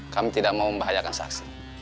kami tidak mau membahayakan saksi